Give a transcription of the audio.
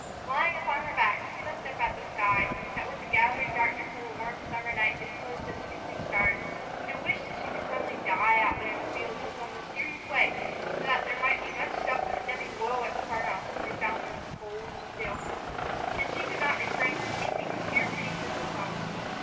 Lying upon her back, she looked up at the sky, that with the gathering darkness of the warm summer night disclosed its twinkling stars, and wished that she could suddenly die out there in the field in some mysterious way, so that there might be much self condemning woe at the farm house when they found her, cold and still. And she could not refrain from weeping with sheer pity for herself.